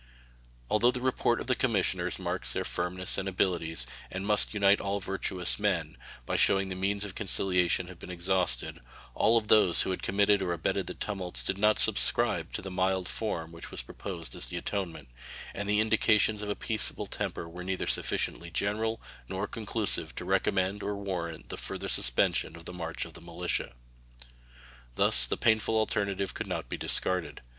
Although the report of the commissioners marks their firmness and abilities, and must unite all virtuous men, by shewing that the means of conciliation have been exhausted, all of those who had committed or abetted the tumults did not subscribe the mild form which was proposed as the atonement, and the indications of a peaceable temper were neither sufficiently general nor conclusive to recommend or warrant the further suspension of the march of the militia. Thus the painful alternative could not be discarded.